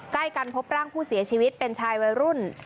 ใกล้กันพบร่างผู้เสียชีวิตเป็นชายวัยรุ่น